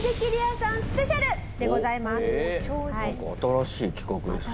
なんか新しい企画ですね。